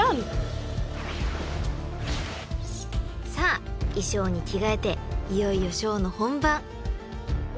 ［さあ衣装に着替えていよいよショーの本番］